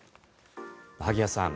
萩谷さん